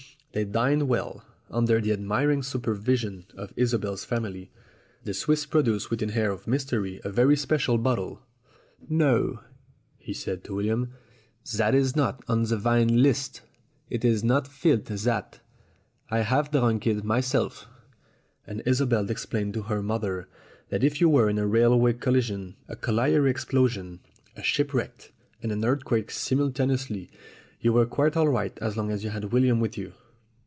They dined well, under the admiring supervision of Isobel's family. The Swiss produced with an air of mystery a very special bottle. "No," he said to William, "zat is not on ze vine list. It is not filth, zat. I haf drunk him myself." And Isobel explained to her mother that if you were in a railway collision, a colliery explosion, a ship wreck, and an earthquake simultaneously, you were quite all right so long as you had William with you.